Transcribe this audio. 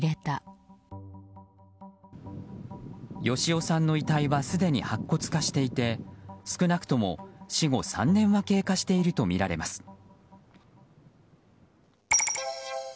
啓夫さんの遺体はすでに白骨化していて少なくとも死後３年は経過しているとみられます。